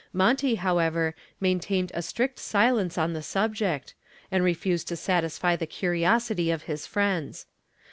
Monty, however, maintained a strict silence on the subject, and refused to satisfy the curiosity of his friends.